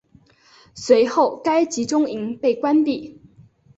随后该集中营被关闭。